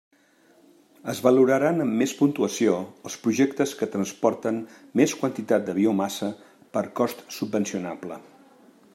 Es valoraran amb més puntuació els projectes que transporten més quantitat de biomassa per cost subvencionable.